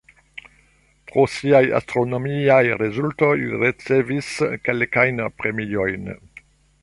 Pro siaj astronomiaj rezultoj li ricevis kelkajn premiojn.